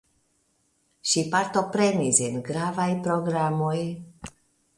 Ŝi partoprenis en gravaj programoj.